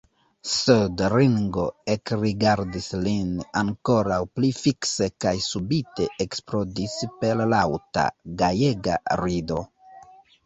Sed Ringo ekrigardis lin ankoraŭ pli fikse kaj subite eksplodis per laŭta, gajega rido.